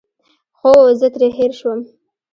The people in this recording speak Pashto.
ښه وو، زه ترې هېر شوم.